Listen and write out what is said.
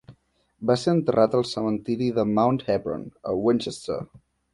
Va ser enterrat al cementiri de Mount Hebron, a Winchester.